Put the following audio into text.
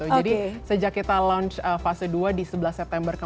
jadi sejak kita launch fase dua di sebelas september kemarin